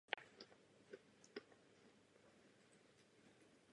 Vnitřní a vnější stránka jeho osobnosti jsou v rovnováze.